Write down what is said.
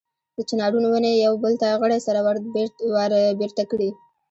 د چنارونو ونې یو بل ته غړۍ سره وربېرته کړي.